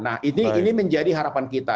nah ini menjadi harapan kita